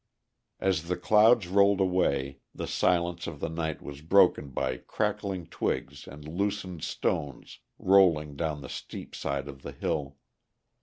As the clouds rolled away, the silence of the night was broken by crackling twigs and loosened stones rolling down the steep side of the hill.